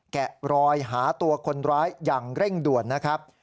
แกะรอยหาตัวคนร้ายอย่างเร่งด่วนนะครับ